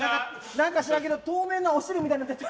なんか知らんけど透明な汁みたいなの出た。